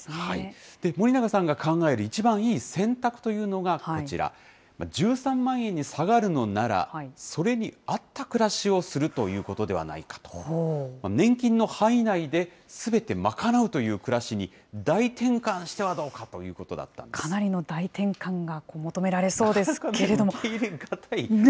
森永さんが考える一番いい選択というのがこちら、１３万円に下がるのなら、それに合った暮らしをするということではないかと、年金の範囲内で、すべて賄うという暮らしに大転換してはどうかということだったんかなりの大転換が求められそ受け入れがたい。